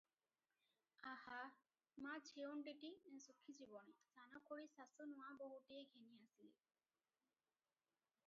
ଆହା! ମା ଛେଉଣ୍ତିଟି ଶୁଖିଯିବଣି!' ସାନ ଖୁଡ଼ୀ ଶାଶୁ ନୂଆ ବୋହୁଟିଏ ଘେନି ଆସିଲେ ।